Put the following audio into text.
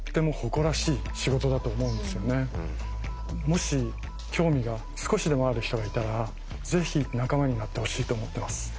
もし興味が少しでもある人がいたらぜひ仲間になってほしいと思ってます。